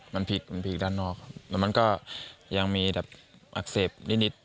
มันผิดมันผิดด้านนอกครับแล้วมันก็ยังมีแบบอักเสบนิดนิด